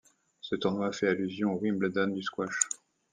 Ce tournoi fait allusion au Wimbledon du squash.